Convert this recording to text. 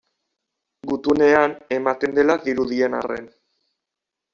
Gutunean ematen dela dirudien arren.